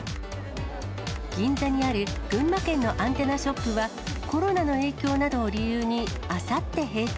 銀座にある群馬県のアンテナショップは、コロナの影響などを理由にあさって、閉店。